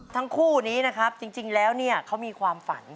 ทั้งคู่นี้นะครับจริงแล้วเนี่ยเขามีความฝัน